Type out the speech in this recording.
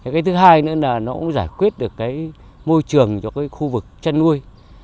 cái thứ hai nữa là nó cũng giải quyết được cái môi trường cho cái khu vực chăn nuôi